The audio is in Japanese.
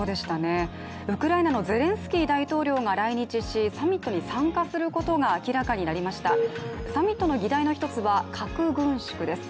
ウクライナのゼレンスキー大統領が来日しサミットに参加することが明らかになりましたサミットの議題の１つは、核軍縮です。